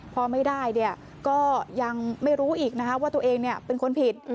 พอไม่ได้ก็ยังไม่รู้อีกนะคะว่าตัวเองเป็นคนผิด